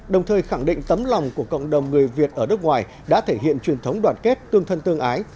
đồng thời khẳng định tấm lòng của cộng đồng người việt ở đất ngoài đã thể hiện truyền thống đoàn kết tương thân tương ái